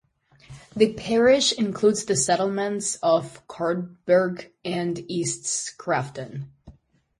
The parish includes the settlements of Caldbergh and East Scrafton.